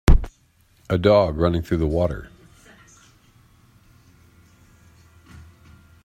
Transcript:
A dog running through the water.